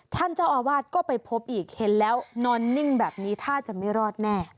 ท่านเจ้าอาวาสก็ไปพบอีกเห็นแล้วนอนนิ่งแบบนี้ท่าจะไม่รอดแน่